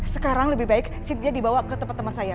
sekarang lebih baik sintia dibawa ke tempat teman saya